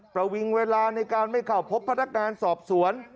ประวิงเวลาในการไม่เข้าพบพนักงานสอบสวน